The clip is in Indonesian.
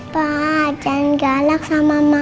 pa jangan galak sama mama